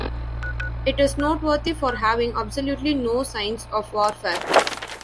It is noteworthy for having absolutely no signs of warfare.